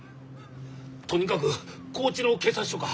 とにかく高知の警察署か！